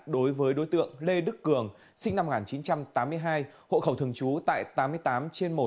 đối với đối tượng lê đức cường sinh năm một nghìn chín trăm tám mươi hai hộ khẩu thường trú tại tám mươi tám trên một